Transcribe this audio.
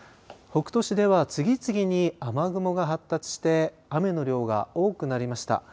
北杜市では次々に雨雲が発達して雨の量が多くなりました。